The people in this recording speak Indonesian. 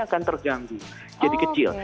akan terganggu jadi kecil